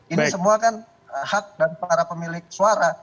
ini semua kan hak dari para pemilik suara